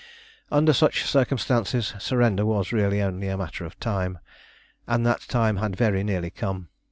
Under such circumstances surrender was really only a matter of time, and that time had very nearly come.